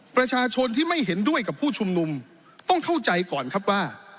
ประชาชนที่ไม่เห็นด้วยกับผู้ชุมนุมต้องเข้าใจก่อนครับว่า